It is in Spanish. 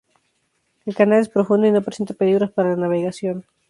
El canal es profundo y no presenta peligros para la navegación.